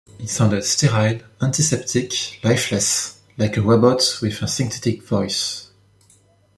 It sounded sterile, antiseptic, lifeless - like a robot with a synthetic voice.